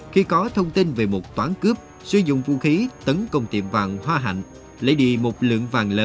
khi có thông tin về một toán cướp sử dụng vũ khí tấn công tiệm vàng hoa hạnh lấy đi một lượng vàng lớn